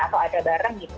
atau ada berapa jam